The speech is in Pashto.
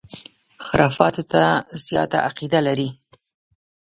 خُرافاتو ته زیاته عقیده لري.